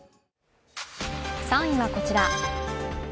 ３位はこちら。